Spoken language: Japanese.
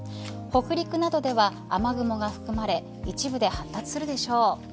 北陸などでは雨雲が含まれ一部で発達するでしょう。